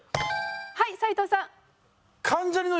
はい斉藤さん。